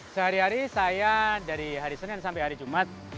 sehari hari saya dari hari senin sampai hari jumat